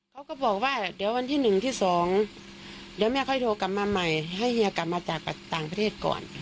เขาก็บอกว่าเดี๋ยววันที่๑ที่๒เดี๋ยวแม่ค่อยโทรกลับมาใหม่ให้เฮียกลับมาจากต่างประเทศก่อน